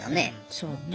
そうね。